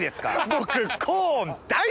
僕。